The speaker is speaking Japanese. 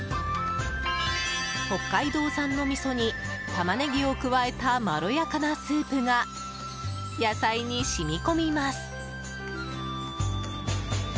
北海道産のみそにタマネギを加えたまろやかなスープが野菜に染み込みます。